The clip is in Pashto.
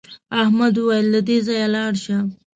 احمد وویل له دې ځایه لاړ شه.